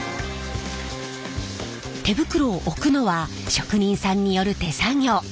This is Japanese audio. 手袋を置くのは職人さんによる手作業。